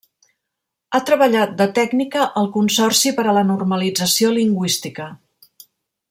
Ha treballat de tècnica al Consorci per a la Normalització Lingüística.